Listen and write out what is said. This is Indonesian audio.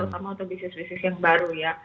kamu untuk bisnis bisnis yang baru ya